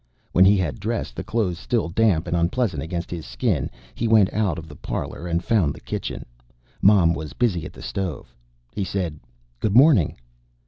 When he had dressed, the clothes still damp and unpleasant against his skin, he went out of the parlor and found the kitchen. Mom was busy at the stove. He said: "Good morning."